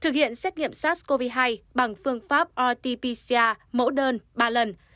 thực hiện xét nghiệm sars cov hai bằng phương pháp rt pcr mẫu đơn ba lần